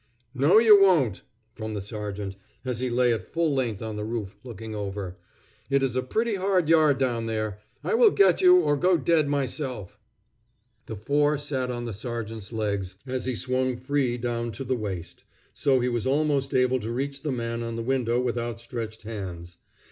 "No, you won't," from the sergeant, as he lay at full length on the roof, looking over. "It is a pretty hard yard down there. I will get you, or go dead myself." The four sat on the sergeant's legs as he swung free down to the waist; so he was almost able to reach the man on the window with outstretched hands.